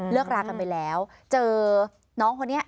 รากันไปแล้วเจอน้องคนนี้